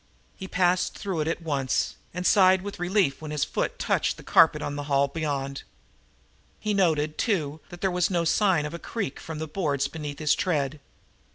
He passed through it at once and sighed with relief when his foot touched the carpet on the hall beyond. He noted, too, that there was no sign of a creak from the boards beneath his tread.